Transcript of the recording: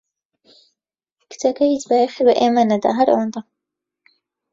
کچەکە هیچ بایەخی بە ئێمە نەدا، هەر ئەوەندە.